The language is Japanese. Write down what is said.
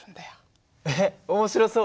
えっ面白そう。